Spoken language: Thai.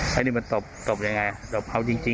อ๋อใครที่มันตบตบยังไงตบเขาจริงเลย